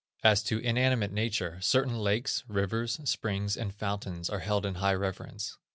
As to inanimate nature, certain lakes, rivers, springs, and fountains, are held in high reverence.